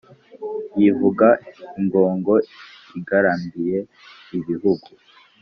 yivuga ingogo igarambiye ibihugu,